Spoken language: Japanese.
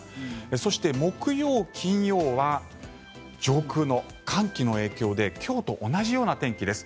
そして木曜、金曜は上空の寒気の影響で今日と同じような天気です。